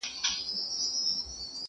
صبر تل خوږې مېوې ورکوي.